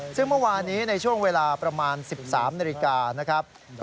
ซึ่งเมื่อวานี้ในช่วงเวลาประมาณ๑๓นาฬิกานะครับ